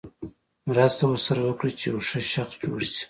مرسته ورسره وکړه چې یو ښه شخص جوړ شي.